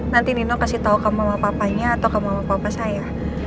nanti nino kasih tahu ke mama papanya atau ke mama papa saya